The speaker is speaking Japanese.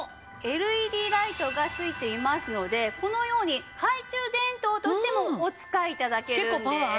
ＬＥＤライトが付いていますのでこのように懐中電灯としてもお使い頂けるんです。